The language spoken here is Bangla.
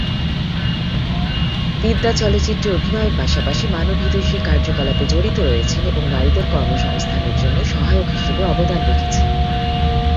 বিদ্যা চলচ্চিত্রে অভিনয়ের পাশাপাশি মানবহিতৈষী কার্যকলাপে জড়িত রয়েছেন এবং নারীদের কর্মসংস্থানের জন্য সহায়ক হিসেবে অবদান রেখেছেন।